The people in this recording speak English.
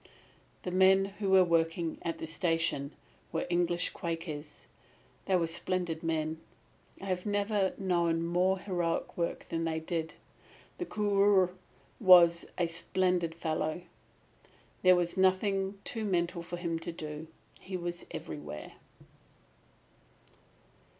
"The men who were working at the station were English Quakers. They were splendid men. I have never known more heroic work than they did, and the curé was a splendid fellow. There was nothing too menial for him to do. He was everywhere."